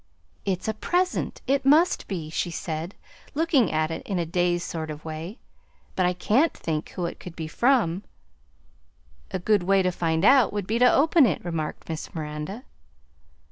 "It's a present; it must be," she said, looking at it in a dazed sort of way; "but I can't think who it could be from." "A good way to find out would be to open it," remarked Miss Miranda.